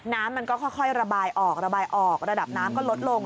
น้ำมันก็ค่อยระบายออกระดับน้ำก็ลดลง